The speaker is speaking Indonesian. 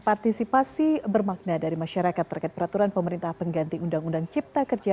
partisipasi bermakna dari masyarakat terkait peraturan pemerintah pengganti undang undang cipta kerja